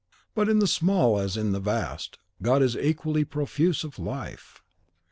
But in the small as in the vast, God is equally profuse of life.